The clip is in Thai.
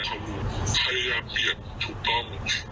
เค้าพยายามเปลี่ยนถูกต้อง